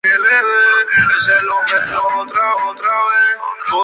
El proceso de soldadura es crítico para la durabilidad de la boya.